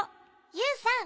ユウさん。